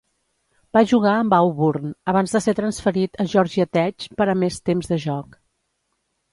Va jugar amb Auburn abans de ser transferit a Georgia Tech per a més temps de joc.